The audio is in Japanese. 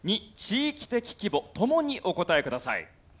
２地域的規模。共にお答えください。